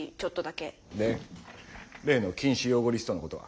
で例の「禁止用語リスト」のことは？